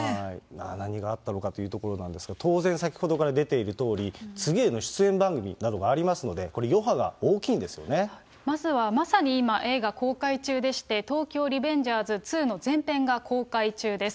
何があったのかというところなんですが、当然先ほどから出ているとおり、次への出演番組などがありますので、これ、まずはまさに今、映画公開中でして、東京リベンジャーズ２の前編が公開中です。